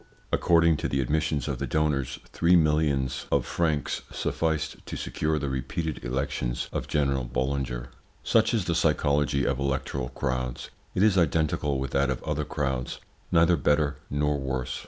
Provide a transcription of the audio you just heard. According to the admissions of the donors, three millions of francs sufficed to secure the repeated elections of General Boulanger. Such is the psychology of electoral crowds. It is identical with that of other crowds: neither better nor worse.